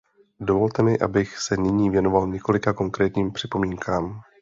Dovolte mi, abych se nyní věnoval několika konkrétním připomínkám.